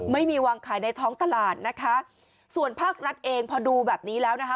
ไม่มีวางขายในท้องตลาดนะคะส่วนภาครัฐเองพอดูแบบนี้แล้วนะคะ